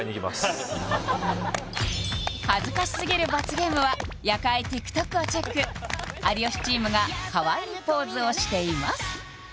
ゲームは夜会ＴｉｋＴｏｋをチェック有吉チームがかわいいポーズをしています